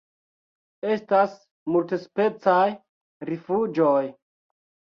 Estas multspecaj rifuĝoj.